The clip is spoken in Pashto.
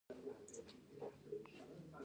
کارونه یې زیات دي، ده خپله برخه غوښې خلاصې کړې.